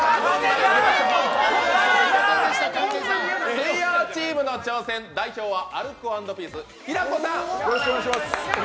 水曜チームの挑戦、代表はアルコ＆ピースの平子さん。